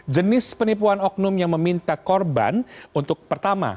jenis penipuan oknum yang meminta korban untuk pertama